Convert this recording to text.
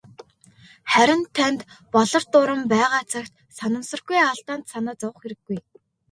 Харин танд "Болор дуран" байгаа цагт ийм санамсаргүй алдаанд санаа зовох хэрэггүй.